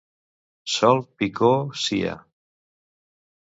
Sol Picó Cia.